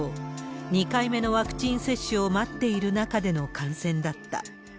２回目のワクチン接種を待っている中での感染だった。